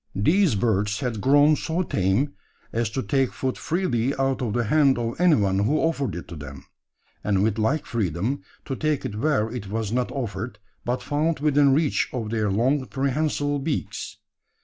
These birds had grown so tame, as to take food freely out of the hand of anyone who offered it to them; and with like freedom, to take it where it was not offered, but found within reach of their long prehensile beaks.